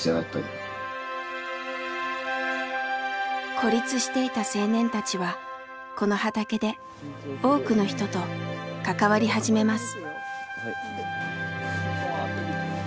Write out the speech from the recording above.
孤立していた青年たちはこの畑で多くの人と関わり始めます。